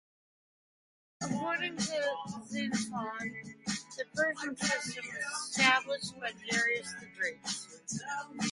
According to Xenophon, the Persian system was established by Darius the Great.